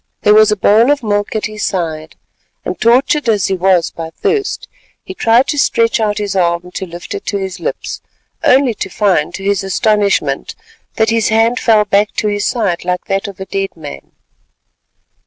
There was a bowl of milk at his side and tortured as he was by thirst, he tried to stretch out his arm to lift it to his lips, only to find to his astonishment that his hand fell back to his side like that of a dead man.